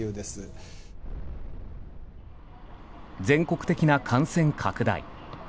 全国的な感染拡大。